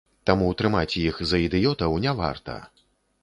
Таму трымаць іх за ідыётаў не варта.